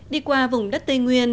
đi qua vùng đất tây nguyên